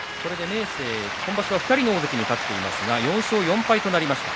明生は今場所２人の大関に勝っていますが４勝４敗となりました。